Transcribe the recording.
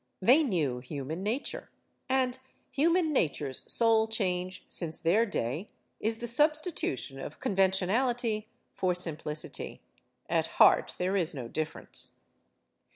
They knew human nature. And human nature's sole change since their day is the substitution of convention ality for simplicity. At heart, there is no difference.